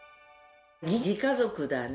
疑似家族だね。